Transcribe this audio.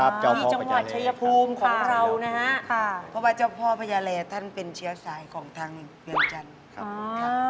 เพราะว่าเจ้าพ่อพระยาแร่ท่านเป็นเชียวสายของทางเบียงจันทร์ครับผม